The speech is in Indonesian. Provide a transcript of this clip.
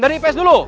dari ips dulu